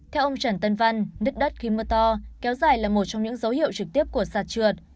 theo ông trần tân văn nứt đất khi mưa to kéo dài là một trong những dấu hiệu trực tiếp của sạt trượt